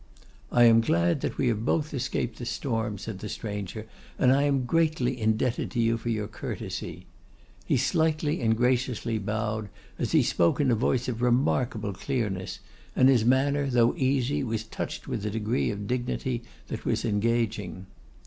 'I am glad that we have both escaped the storm,' said the stranger; 'and I am greatly indebted to you for your courtesy.' He slightly and graciously bowed, as he spoke in a voice of remarkable clearness; and his manner, though easy, was touched with a degree of dignity that was engaging.